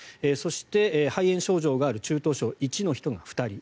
そして肺炎症状がある中等症１の人が１人。